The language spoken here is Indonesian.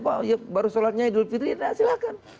pak baru sholatnya idul fitri silakan